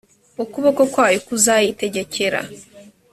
ukuboko kwayo kuzayitegekera